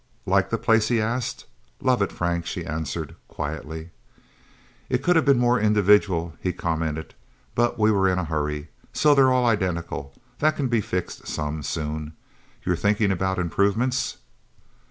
"Like the place?" he asked. "Love it, Frank," she answered quietly. "It could have been more individual," he commented. "But we were in a hurry. So they are all identical. That can be fixed, some, soon. You're thinking about improvements?"